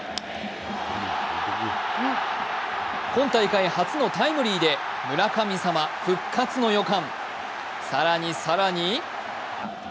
今大会初のタイムリーで村神様復活の予感。